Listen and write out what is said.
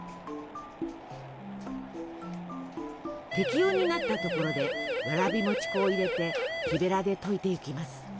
適温になったところでわらび餅粉を入れて木べらで溶いていきます。